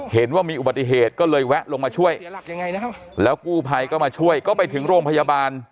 เห็นว่ามีอุบัติเหตุก็เลยแวะลงมาช่วยแล้วกู้ภัยก็มาช่วยก็ไปถึงโรงพยาบาล